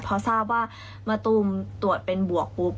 พอทราบว่ามะตูมตรวจเป็นบวกปุ๊บ